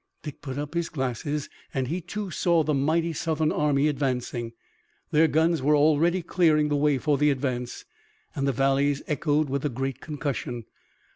Dick put up his glasses and he, too, saw the mighty Southern army advancing. Their guns were already clearing the way for the advance, and the valleys echoed with the great concussion.